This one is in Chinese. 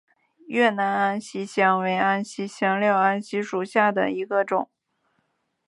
越南安息香为安息香科安息香属下的一个种。